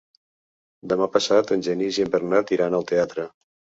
Demà passat en Genís i en Bernat iran al teatre.